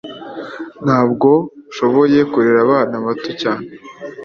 Ntabwo shoboye kurera abana bato cyane